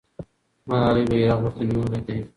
ملالۍ بیرغ ورته نیولی دی.